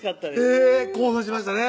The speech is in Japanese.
へぇ興奮しましたね